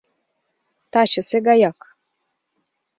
Тачысе гаяк.